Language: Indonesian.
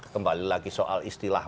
kembali lagi soal istilah